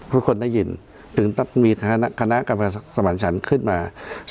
ทุกคนได้ยินถึงมีคณะกรรมการสมานฉันขึ้นมา